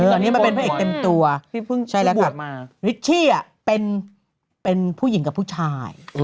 ตอนนี้มันเป็นผู้เอกเต็มตัวใช่แล้วครับลิชชี่เป็นผู้หญิงกับผู้ชาย